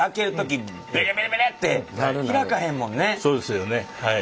そうですよねはい。